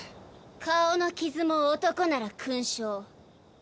顔の傷も男なら勲章。